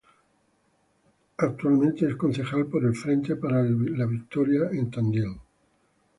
Actualmente es concejal por el Frente para la Victoria en Tandil.